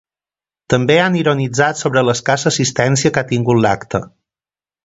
També han ironitzat sobre l’escassa assistència que ha tingut l’acte.